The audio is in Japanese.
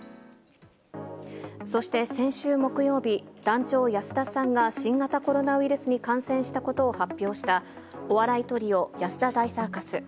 そして、先週木曜日、団長安田さんが新型コロナウイルスに感染したことを発表したお笑いトリオ、安田大サーカス。